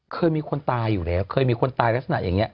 เคยมีคนตายอยู่แล้วเคยมีคนตายลักษณะอย่างนี้